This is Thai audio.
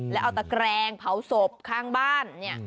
แล้วเอาตะแกรงเผาศพข้างบ้านเนี่ย